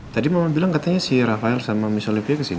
tadi mama bilang katanya si rafael sama mich olivia kesini